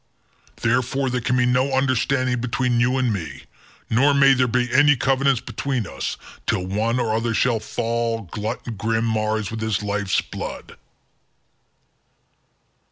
Therefore there can be no understanding between you and me, nor may there be any covenants between us, till one or other shall fall and glut grim Mars with his life's blood.